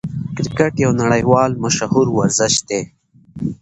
کرکټ یو نړۍوال مشهور ورزش دئ.